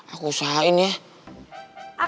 aku usahain ya